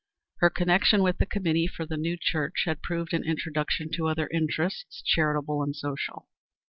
Her connection with the committee for the new church had proved an introduction to other interests, charitable and social.